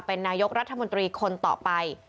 เป็นนายกรัฐมนตรีคนต่อไป